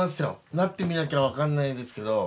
なってみなきゃわからないんですけど。